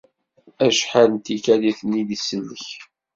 Acḥal n tikkal i ten-id-isellek.